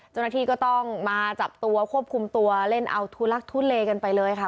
เจ้าหน้าที่ก็ต้องมาจับตัวควบคุมตัวเล่นเอาทุลักทุเลกันไปเลยค่ะ